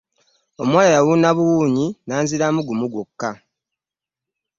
Omuwala yawuuna buwuunyi n'anziramu gumu gwokka.